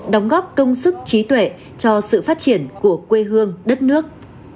đóng góp công sức trí tuệ cho sự phát triển của quê hương đất nước